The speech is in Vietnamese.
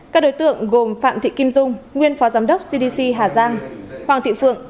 các đối tượng gồm phạm thị kim dung nguyên phó giám đốc cdc hà giang hoàng thị phượng